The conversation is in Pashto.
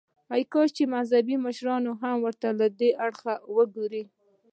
کاش چې مذهبي مشران ورته له دې اړخه وګوري.